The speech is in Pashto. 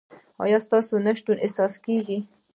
ایا ستاسو نشتون احساسیږي؟